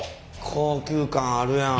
高級感あるやん。